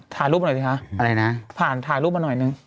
ช่างแล้วและมันไหลมันเมืองนะ